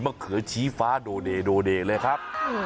มะเขือชี้ฟ้าโดเดเลยครับ